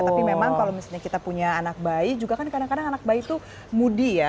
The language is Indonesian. tapi memang kalau misalnya kita punya anak bayi juga kan kadang kadang anak bayi itu moody ya